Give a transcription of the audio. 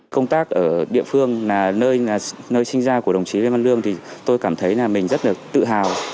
công tác ở địa phương là nơi sinh ra của đồng chí lê văn lương thì tôi cảm thấy là mình rất là tự hào